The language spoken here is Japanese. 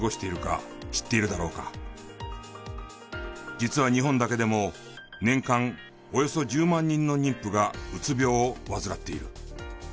実は日本だけでも年間およそ１０万人の妊婦がうつ病を患っている。